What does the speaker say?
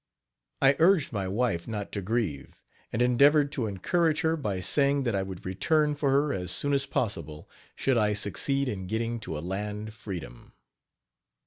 I urged my wife not to grieve, and endeavored to encourage her by saying that I would return for her, as soon as possible, should I succeed in getting to a land freedom.